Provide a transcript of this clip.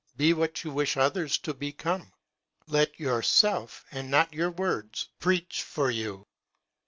Be what you wish others to become. Let your self and not your words preach for you.